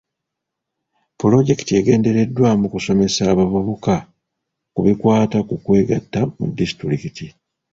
Pulojekiti egendereddwamu kusomesa abavubuka ku bikwata ku kwegatta mu disitulikiti.